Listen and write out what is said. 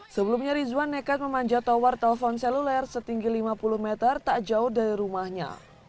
sebelumnya rizwan nekat memanjat tower telpon seluler setinggi lima puluh meter tak jauh dari rumahnya